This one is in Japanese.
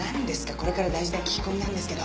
これから大事な聞き込みなんですけど！